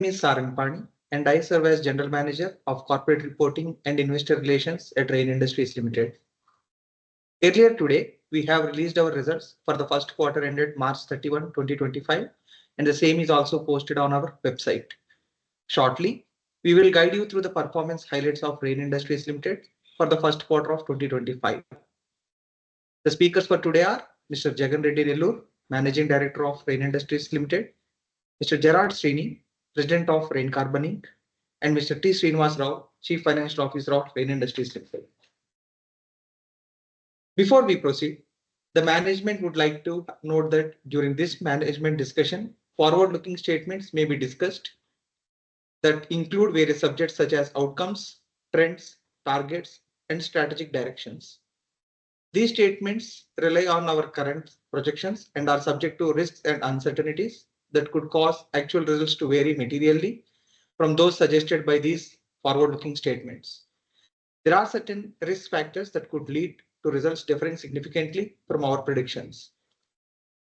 Me is Sarang Pani, and I serve as General Manager of Corporate Reporting and Investor Relations at Rain Industries Limited. Earlier today, we have released our results for the first quarter ended March 31, 2025, and the same is also posted on our website. Shortly, we will guide you through the performance highlights of Rain Industries Limited for the first quarter of 2025. The speakers for today are Mr. Jagan Reddy Nellore, Managing Director of Rain Industries Limited, Mr. Gerard Sweeney, President of Rain Carbon Inc., and Mr. T. Srinivasa Rao, Chief Financial Officer of Rain Industries Limited. Before we proceed, the management would like to note that during this management discussion, forward-looking statements may be discussed that include various subjects such as outcomes, trends, targets, and strategic directions. These statements rely on our current projections and are subject to risks and uncertainties that could cause actual results to vary materially from those suggested by these forward-looking statements. There are certain risk factors that could lead to results differing significantly from our predictions.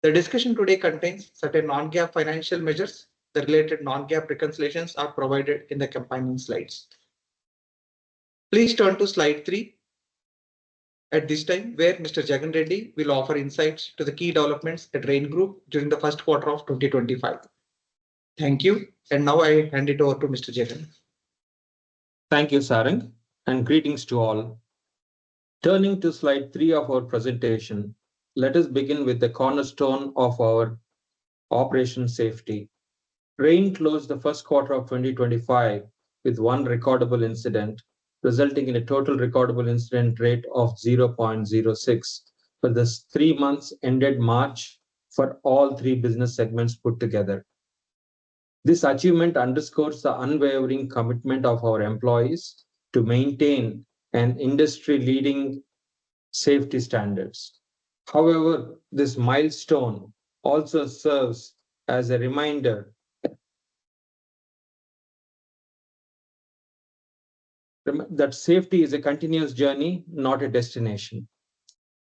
The discussion today contains certain non-GAAP financial measures. The related non-GAAP reconciliations are provided in the companion slides. Please turn to slide three at this time, where Mr. Jagan Reddy Nellore will offer insights to the key developments at Rain Group during the first quarter of 2025. Thank you, and now I hand it over to Mr. Jagan. Thank you, Sarang, and greetings to all. Turning to slide three of our presentation, let us begin with the cornerstone of our operation, safety. Rain closed the first quarter of 2025 with one recordable incident, resulting in a total recordable incident rate of 0.06 billion for the three months ended March for all three business segments put together. This achievement underscores the unwavering commitment of our employees to maintain industry-leading safety standards. However, this milestone also serves as a reminder that safety is a continuous journey, not a destination.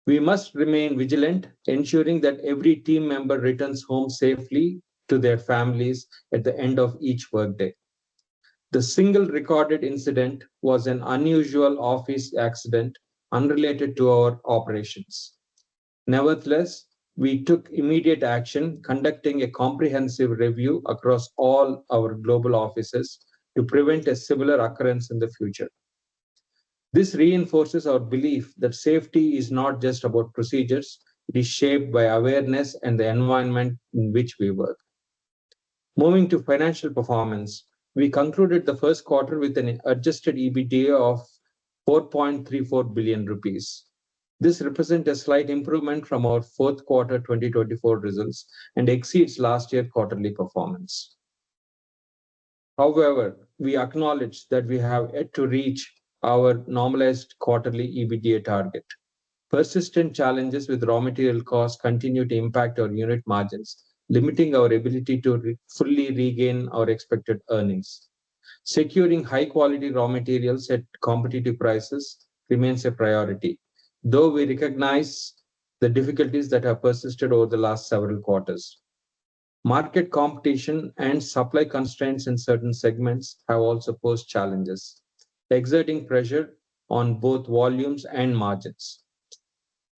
We must remain vigilant, ensuring that every team member returns home safely to their families at the end of each workday. The single recorded incident was an unusual office accident unrelated to our operations. Nevertheless, we took immediate action, conducting a comprehensive review across all our global offices to prevent a similar occurrence in the future. This reinforces our belief that safety is not just about procedures. It is shaped by awareness and the environment in which we work. Moving to financial performance, we concluded the first quarter with an adjusted EBITDA of 4.34 billion rupees. This represents a slight improvement from our fourth quarter 2024 results and exceeds last year's quarterly performance. However, we acknowledge that we have yet to reach our normalized quarterly EBITDA target. Persistent challenges with raw material costs continue to impact our unit margins, limiting our ability to fully regain our expected earnings. Securing high-quality raw materials at competitive prices remains a priority, though we recognize the difficulties that have persisted over the last several quarters. Market competition and supply constraints in certain segments have also posed challenges, exerting pressure on both volumes and margins.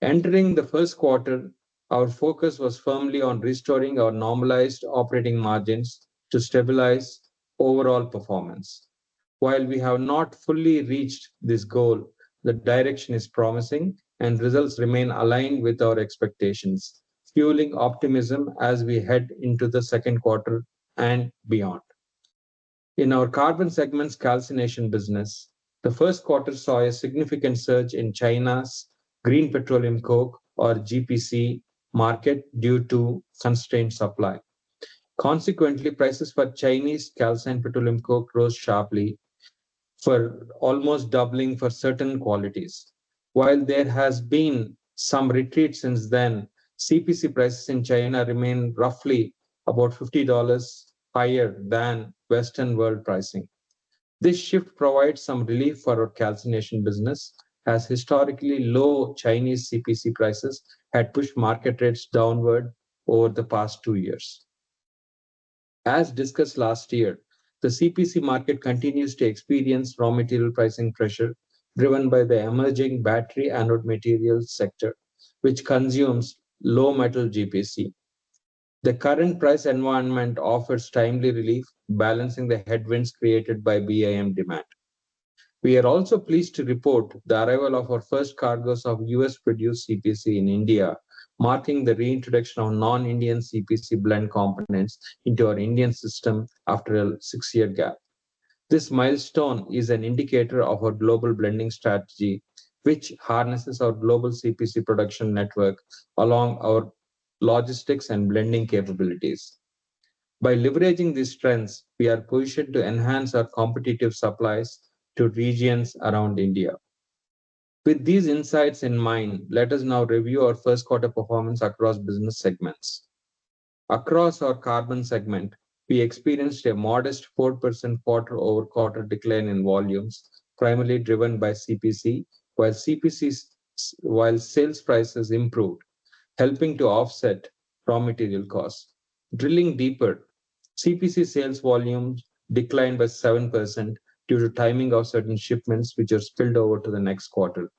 Entering the first quarter, our focus was firmly on restoring our normalized operating margins to stabilize overall performance. While we have not fully reached this goal, the direction is promising, and results remain aligned with our expectations, fueling optimism as we head into the second quarter and beyond. In our carbon segment's calcination business, the first quarter saw a significant surge in China's green petroleum coke, or GPC, market due to constrained supply. Consequently, prices for Chinese calcined petroleum coke rose sharply, almost doubling for certain qualities. While there has been some retreat since then, CPC prices in China remain roughly about $50 higher than Western world pricing. This shift provides some relief for our calcination business, as historically low Chinese CPC prices had pushed market rates downward over the past two years. As discussed last year, the CPC market continues to experience raw material pricing pressure driven by the emerging battery anode material sector, which consumes low-metal GPC. The current price environment offers timely relief, balancing the headwinds created by BAM demand. We are also pleased to report the arrival of our first cargoes of U.S.-produced CPC in India, marking the reintroduction of non-Indian CPC blend components into our Indian system after a six-year gap. This milestone is an indicator of our global blending strategy, which harnesses our global CPC production network along our logistics and blending capabilities. By leveraging these trends, we are positioned to enhance our competitive supplies to regions around India. With these insights in mind, let us now review our first quarter performance across business segments. Across our carbon segment, we experienced a modest 4% quarter-over-quarter decline in volumes, primarily driven by CPC, while sales prices improved, helping to offset raw material costs. Drilling deeper, CPC sales volumes declined by 7% due to timing of certain shipments, which are spilled over to the next quarter.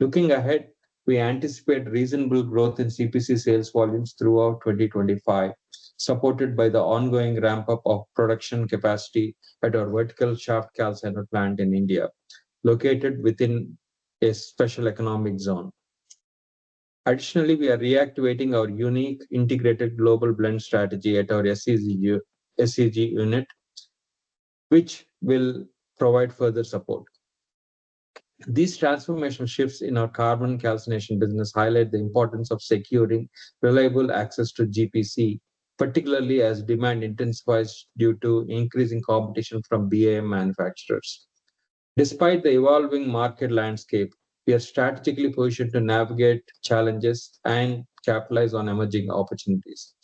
Looking ahead, we anticipate reasonable growth in CPC sales volumes throughout 2025, supported by the ongoing ramp-up of production capacity at our vertical shaft calciner plant in India, located within a special economic zone. Additionally, we are reactivating our unique integrated global blend strategy at our SEG unit, which will provide further support. These transformation shifts in our carbon calcination business highlight the importance of securing reliable access to GPC, particularly as demand intensifies due to increasing competition from BIM manufacturers. Despite the evolving market landscape, we are strategically positioned to navigate challenges and capitalize on emerging opportunities.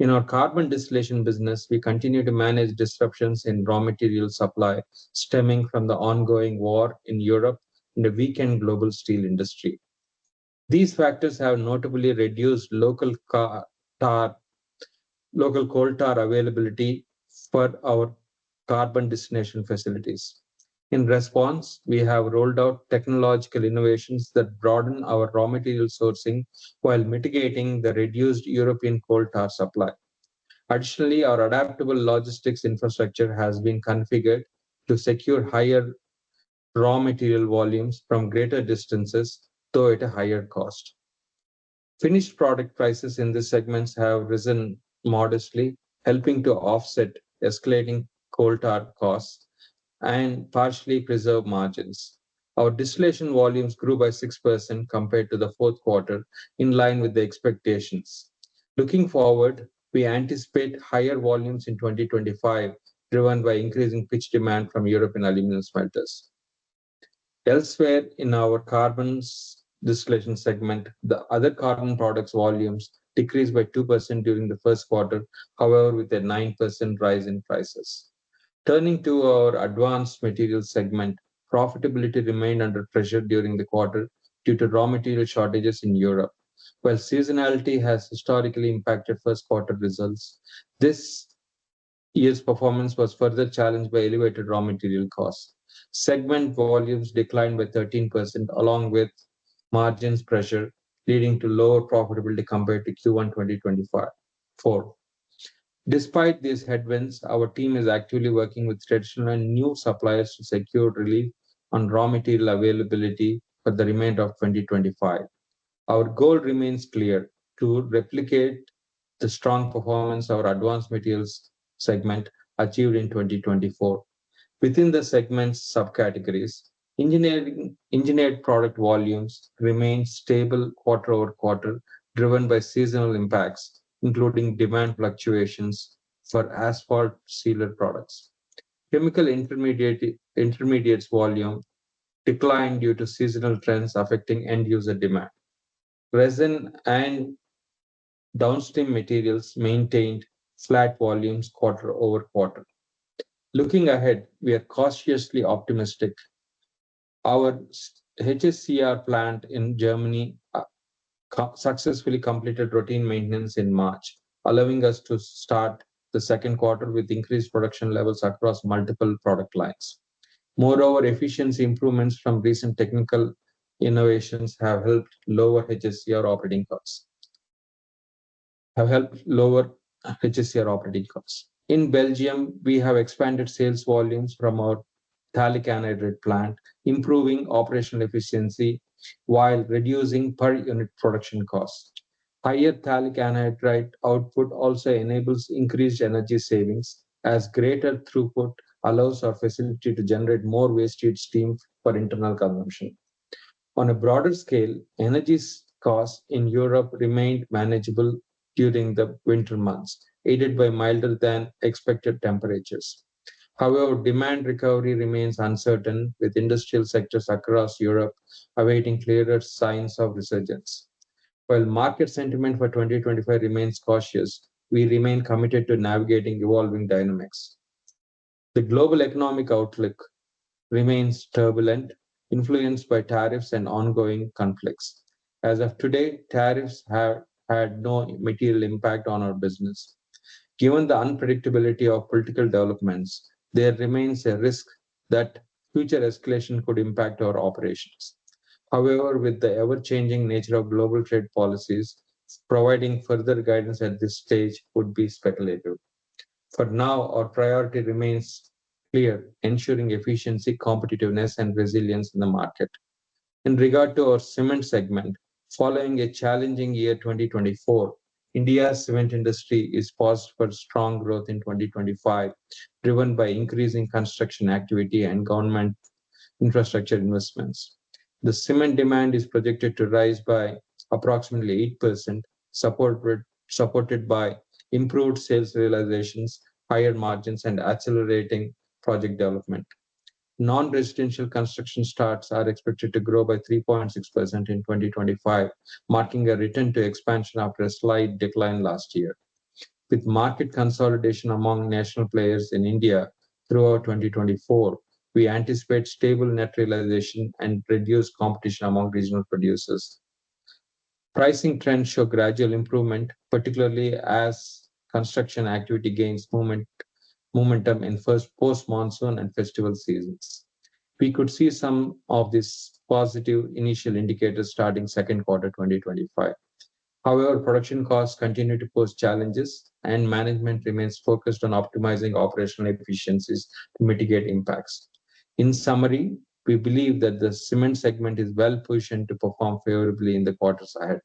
In our carbon distillation business, we continue to manage disruptions in raw material supply stemming from the ongoing war in Europe and the weakened global steel industry. These factors have notably reduced local coal tar availability for our carbon distillation facilities. In response, we have rolled out technological innovations that broaden our raw material sourcing while mitigating the reduced European coal tar supply. Additionally, our adaptable logistics infrastructure has been configured to secure higher raw material volumes from greater distances, though at a higher cost. Finished product prices in these segments have risen modestly, helping to offset escalating coal tar costs and partially preserve margins. Our distillation volumes grew by 6% compared to the fourth quarter, in line with the expectations. Looking forward, we anticipate higher volumes in 2025, driven by increasing pitch demand from European aluminum smelters. Elsewhere in our carbon distillation segment, the other carbon products volumes decreased by 2% during the first quarter, however, with a 9% rise in prices. Turning to our advanced material segment, profitability remained under pressure during the quarter due to raw material shortages in Europe. While seasonality has historically impacted first-quarter results, this year's performance was further challenged by elevated raw material costs. Segment volumes declined by 13%, along with margins pressure, leading to lower profitability compared to Q1 2024. Despite these headwinds, our team is actively working with traditional and new suppliers to secure relief on raw material availability for the remainder of 2025. Our goal remains clear: to replicate the strong performance of our advanced materials segment achieved in 2024. Within the segment subcategories, engineered product volumes remain stable quarter-over-quarter, driven by seasonal impacts, including demand fluctuations for asphalt sealer products. Chemical intermediates volume declined due to seasonal trends affecting end-user demand. Resin and downstream materials maintained flat volumes quarter-over-quarter. Looking ahead, we are cautiously optimistic. Our HSCR plant in Germany successfully completed routine maintenance in March, allowing us to start the second quarter with increased production levels across multiple product lines. Moreover, efficiency improvements from recent technical innovations have helped lower HSCR operating costs. In Belgium, we have expanded sales volumes from our phthalic anhydride plant, improving operational efficiency while reducing per-unit production costs. Higher phthalic anhydride output also enables increased energy savings, as greater throughput allows our facility to generate more waste heat steam for internal consumption. On a broader scale, energy costs in Europe remained manageable during the winter months, aided by milder-than-expected temperatures. However, demand recovery remains uncertain, with industrial sectors across Europe awaiting clearer signs of resurgence. While market sentiment for 2025 remains cautious, we remain committed to navigating evolving dynamics. The global economic outlook remains turbulent, influenced by tariffs and ongoing conflicts. As of today, tariffs have had no material impact on our business. Given the unpredictability of political developments, there remains a risk that future escalation could impact our operations. However, with the ever-changing nature of global trade policies, providing further guidance at this stage would be speculative. For now, our priority remains clear: ensuring efficiency, competitiveness, and resilience in the market. In regard to our cement segment, following a challenging year 2024, India's cement industry is poised for strong growth in 2025, driven by increasing construction activity and government infrastructure investments. The cement demand is projected to rise by approximately 8%, supported by improved sales realizations, higher margins, and accelerating project development. Non-residential construction starts are expected to grow by 3.6% in 2025, marking a return to expansion after a slight decline last year. With market consolidation among national players in India throughout 2024, we anticipate stable net realization and reduced competition among regional producers. Pricing trends show gradual improvement, particularly as construction activity gains momentum in post-monsoon and festival seasons. We could see some of these positive initial indicators starting second quarter 2025. However, production costs continue to pose challenges, and management remains focused on optimizing operational efficiencies to mitigate impacts. In summary, we believe that the cement segment is well-positioned to perform favorably in the quarters ahead.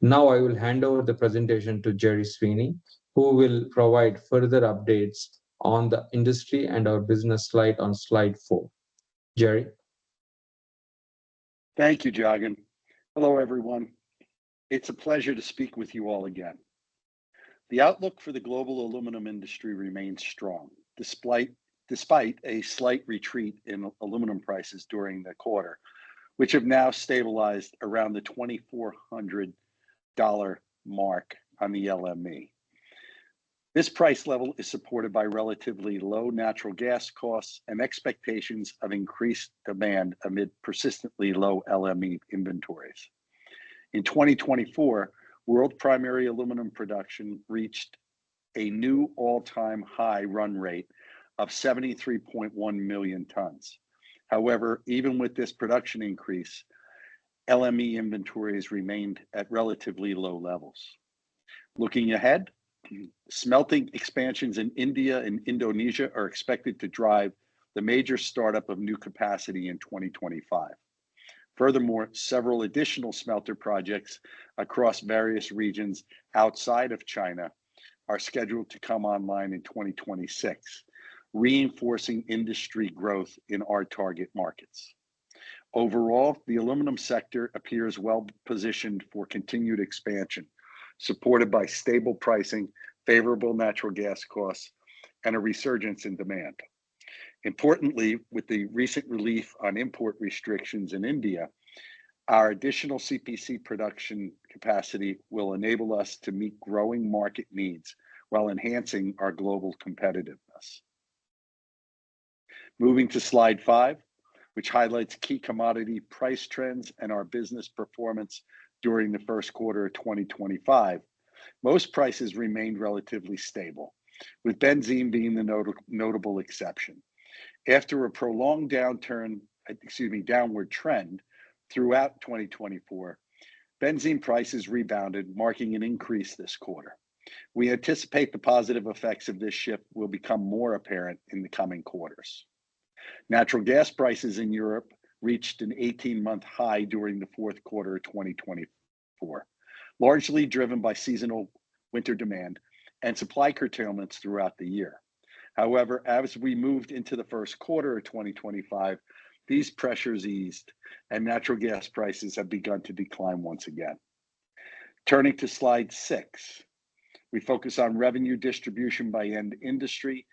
Now, I will hand over the presentation to Gerard Sweeney, who will provide further updates on the industry and our business slide on slide four. Gerard. Thank you, Jagan. Hello, everyone. It's a pleasure to speak with you all again. The outlook for the global aluminum industry remains strong, despite a slight retreat in aluminum prices during the quarter, which have now stabilized around the $2,400 mark on the LME. This price level is supported by relatively low natural gas costs and expectations of increased demand amid persistently low LME inventories. In 2024, world primary aluminum production reached a new all-time high run rate of 73.1 million tons. However, even with this production increase, LME inventories remained at relatively low levels. Looking ahead, smelting expansions in India and Indonesia are expected to drive the major startup of new capacity in 2025. Furthermore, several additional smelter projects across various regions outside of China are scheduled to come online in 2026, reinforcing industry growth in our target markets. Overall, the aluminum sector appears well-positioned for continued expansion, supported by stable pricing, favorable natural gas costs, and a resurgence in demand. Importantly, with the recent relief on import restrictions in India, our additional CPC production capacity will enable us to meet growing market needs while enhancing our global competitiveness. Moving to slide five, which highlights key commodity price trends and our business performance during the first quarter of 2025, most prices remained relatively stable, with benzene being the notable exception. After a prolonged downward trend throughout 2024, benzene prices rebounded, marking an increase this quarter. We anticipate the positive effects of this shift will become more apparent in the coming quarters. Natural gas prices in Europe reached an 18-month high during the fourth quarter of 2024, largely driven by seasonal winter demand and supply curtailments throughout the year. However, as we moved into the first quarter of 2025, these pressures eased, and natural gas prices have begun to decline once again. Turning to slide six, we focus on revenue distribution by end industry.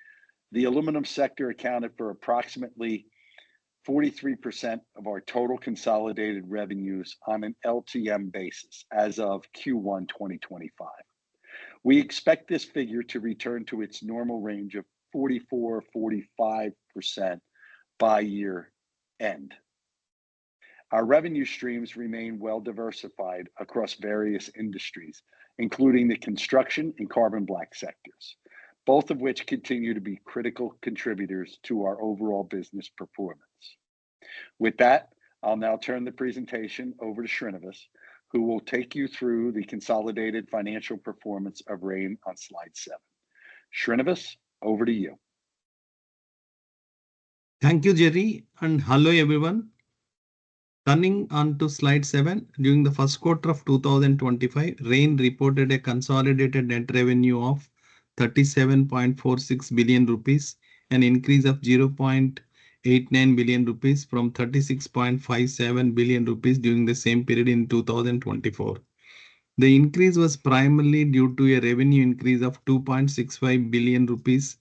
The aluminum sector accounted for approximately 43% of our total consolidated revenues on an LTM basis as of Q1 2025. We expect this figure to return to its normal range of 44%-45% by year-end. Our revenue streams remain well-diversified across various industries, including the construction and carbon black sectors, both of which continue to be critical contributors to our overall business performance. With that, I'll now turn the presentation over to Srinivasa, who will take you through the consolidated financial performance of Rain on slide seven. Srinivasa, over to you. Thank you, Jagan. And hello, everyone. Turning on to slide seven, during the first quarter of 2025, Rain reported a consolidated net revenue of 37.46 billion rupees and an increase of 0.89 billion rupees from 36.57 billion rupees during the same period in 2024. The increase was primarily due to a revenue increase of 2.65 billion rupees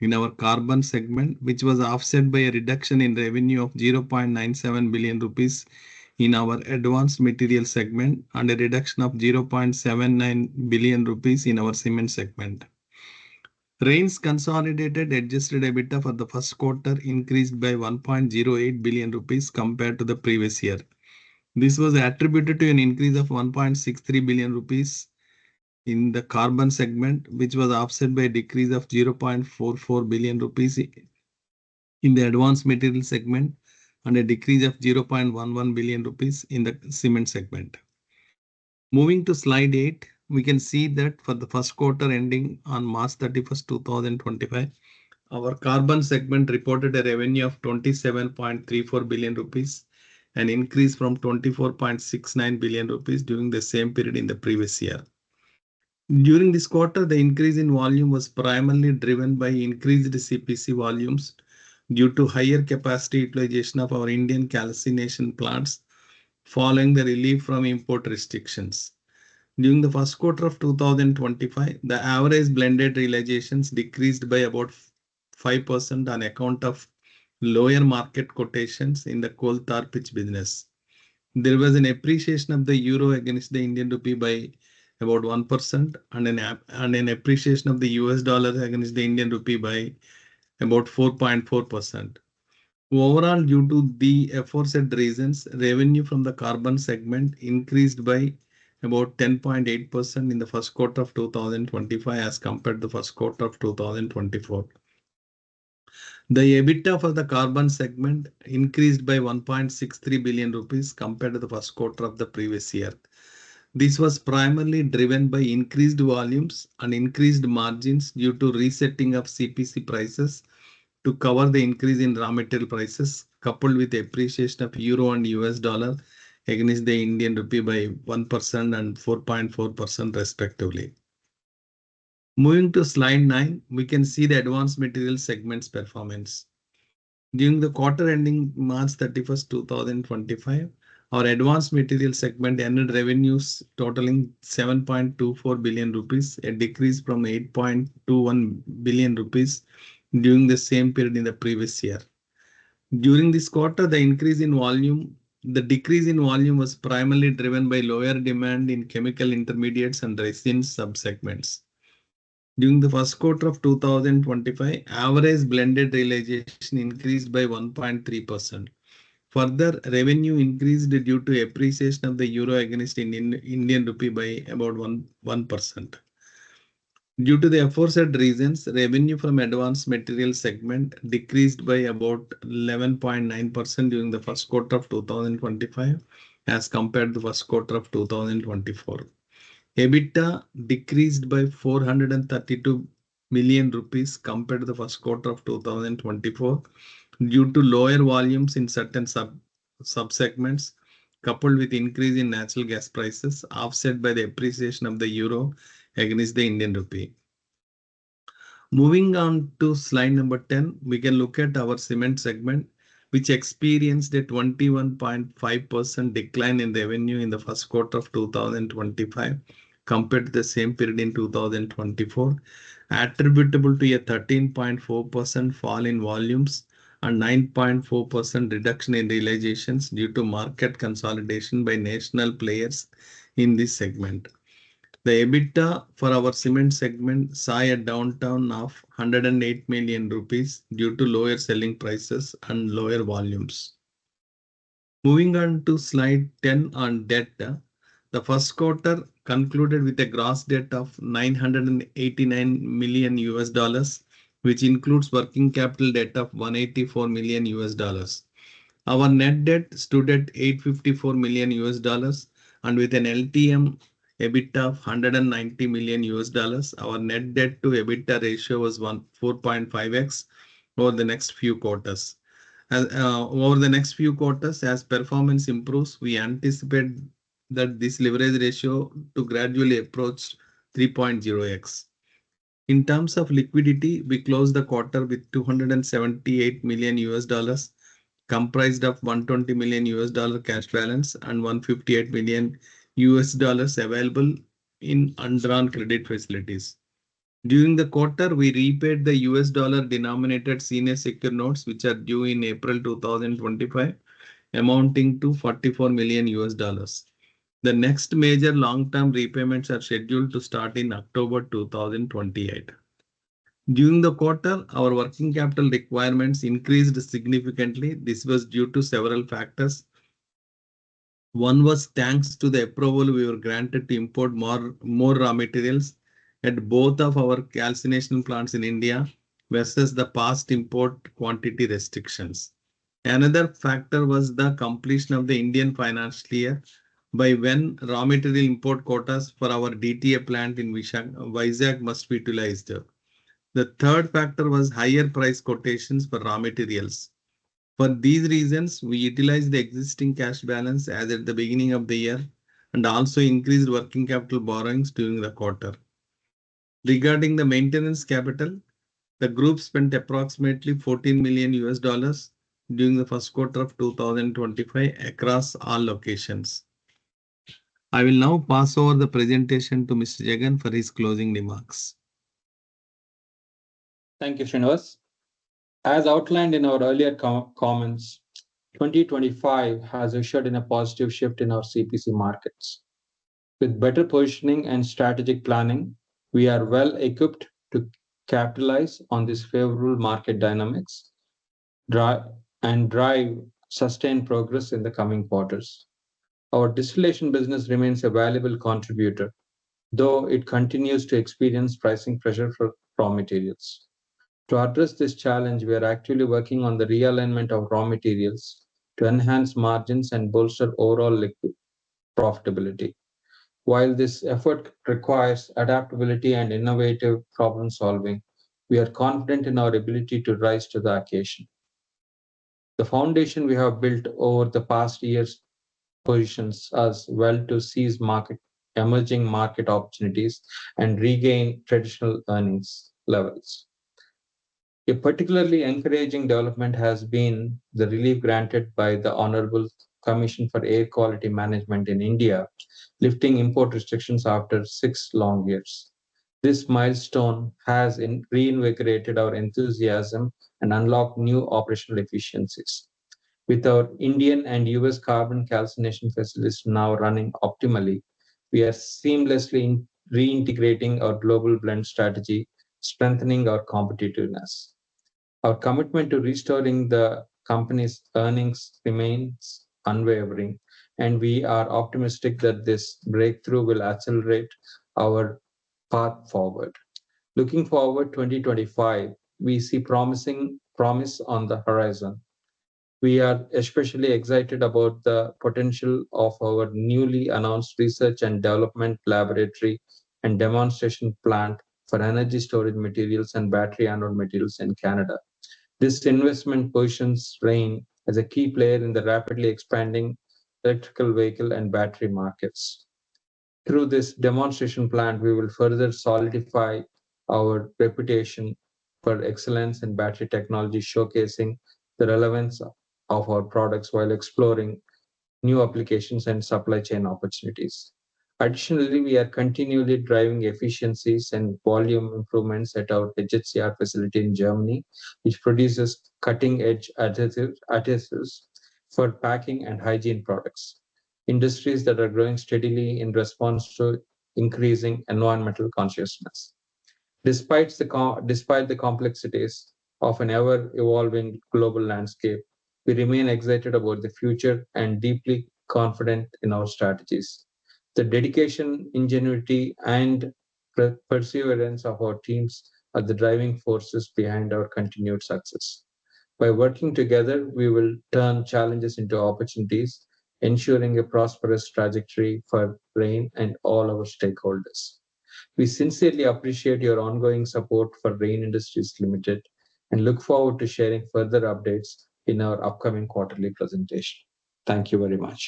in our carbon segment, which was offset by a reduction in revenue of 0.97 billion rupees in our advanced material segment and a reduction of 0.79 billion rupees in our cement segment. Rain's consolidated adjusted EBITDA for the first quarter increased by 1.08 billion rupees compared to the previous year. This was attributed to an increase of 1.63 billion rupees in the carbon segment, which was offset by a decrease of 0.44 billion rupees in the advanced material segment and a decrease of 0.11 billion rupees in the cement segment. Moving to slide eight, we can see that for the first quarter ending on March 31st, 2025, our carbon segment reported a revenue of 27.34 billion rupees and an increase from 24.69 billion rupees during the same period in the previous year. During this quarter, the increase in volume was primarily driven by increased CPC volumes due to higher capacity utilization of our Indian calcination plants, following the relief from import restrictions. During the first quarter of 2025, the average blended realizations decreased by about 5% on account of lower market quotations in the coal tar pitch business. There was an appreciation of the euro against the Indian rupee by about 1% and an appreciation of the U.S. dollar against the Indian rupee by about 4.4%. Overall, due to the aforesaid reasons, revenue from the carbon segment increased by about 10.8% in the first quarter of 2025 as compared to the first quarter of 2024. The EBITDA for the carbon segment increased by 1.63 billion rupees compared to the first quarter of the previous year. This was primarily driven by increased volumes and increased margins due to resetting of CPC prices to cover the increase in raw material prices, coupled with the appreciation of euro and U.S. dollar against the Indian rupee by 1% and 4.4%, respectively. Moving to slide nine, we can see the advanced material segment's performance. During the quarter ending March 31st, 2025, our advanced material segment ended revenues totaling 7.24 billion rupees, a decrease from 8.21 billion rupees during the same period in the previous year. During this quarter, the increase in volume was primarily driven by lower demand in chemical intermediates and resin subsegments. During the first quarter of 2025, average blended realization increased by 1.3%. Further, revenue increased due to appreciation of the euro against the Indian rupee by about 1%. Due to the aforesaid reasons, revenue from advanced material segment decreased by about 11.9% during the first quarter of 2025 as compared to the first quarter of 2024. EBITDA decreased by INR 432 million compared to the first quarter of 2024 due to lower volumes in certain subsegments, coupled with increase in natural gas prices offset by the appreciation of the euro against the Indian rupee. Moving on to slide number 10, we can look at our cement segment, which experienced a 21.5% decline in revenue in the first quarter of 2025 compared to the same period in 2024, attributable to a 13.4% fall in volumes and 9.4% reduction in realizations due to market consolidation by national players in this segment. The EBITDA for our cement segment saw a downturn of 108 million rupees due to lower selling prices and lower volumes. Moving on to slide 10 on debt, the first quarter concluded with a gross debt of $989 million, which includes working capital debt of $184 million. Our net debt stood at $854 million, and with an LTM EBITDA of $190 million, our net debt to EBITDA ratio was 4.5X over the next few quarters. As performance improves, we anticipate that this leverage ratio to gradually approach 3.0X. In terms of liquidity, we closed the quarter with $278 million, comprised of $120 million cash balance and $158 million available in undrawn credit facilities. During the quarter, we repaid the U.S. dollar-denominated senior secured notes, which are due in April 2025, amounting to $44 million. The next major long-term repayments are scheduled to start in October 2028. During the quarter, our working capital requirements increased significantly. This was due to several factors. One was thanks to the approval we were granted to import more raw materials at both of our calcination plants in India versus the past import quantity restrictions. Another factor was the completion of the Indian financial year by when raw material import quotas for our DTA plant in Visakhapatnam must be utilized. The third factor was higher price quotations for raw materials. For these reasons, we utilized the existing cash balance as at the beginning of the year and also increased working capital borrowings during the quarter. Regarding the maintenance capital, the group spent approximately $14 million during the first quarter of 2025 across all locations. I will now pass over the presentation to Mr. Jagan for his closing remarks. Thank you, Srinivasa. As outlined in our earlier comments, 2025 has ushered in a positive shift in our CPC markets. With better positioning and strategic planning, we are well equipped to capitalize on these favorable market dynamics and drive sustained progress in the coming quarters. Our distillation business remains a valuable contributor, though it continues to experience pricing pressure for raw materials. To address this challenge, we are actively working on the realignment of raw materials to enhance margins and bolster overall liquid profitability. While this effort requires adaptability and innovative problem-solving, we are confident in our ability to rise to the occasion. The foundation we have built over the past years positions us well to seize emerging market opportunities and regain traditional earnings levels. A particularly encouraging development has been the relief granted by the Honorable Commission for Air Quality Management in India, lifting import restrictions after six long years. This milestone has reinvigorated our enthusiasm and unlocked new operational efficiencies. With our Indian and U.S. carbon calcination facilities now running optimally, we are seamlessly reintegrating our global blend strategy, strengthening our competitiveness. Our commitment to restoring the company's earnings remains unwavering, and we are optimistic that this breakthrough will accelerate our path forward. Looking forward to 2025, we see promising promise on the horizon. We are especially excited about the potential of our newly announced research and development laboratory and demonstration plant for energy storage materials and battery anode materials in Canada. This investment positions Rain as a key player in the rapidly expanding electrical vehicle and battery markets. Through this demonstration plant, we will further solidify our reputation for excellence in battery technology, showcasing the relevance of our products while exploring new applications and supply chain opportunities. Additionally, we are continually driving efficiencies and volume improvements at our HSCR facility in Germany, which produces cutting-edge adhesives for packing and hygiene products. Industries that are growing steadily in response to increasing environmental consciousness. Despite the complexities of an ever-evolving global landscape, we remain excited about the future and deeply confident in our strategies. The dedication, ingenuity, and perseverance of our teams are the driving forces behind our continued success. By working together, we will turn challenges into opportunities, ensuring a prosperous trajectory for Rain and all our stakeholders. We sincerely appreciate your ongoing support for Rain Industries Limited and look forward to sharing further updates in our upcoming quarterly presentation. Thank you very much.